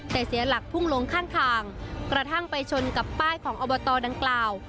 แต่เสียหลักพุ่งลงข้างทางกระทั่งไปชนกับป้ายของอบตดังกล่าว